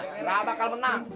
siara bakal menang